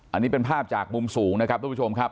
อันนี้เป็นภาพจากมุมสูงนะครับทุกผู้ชมครับ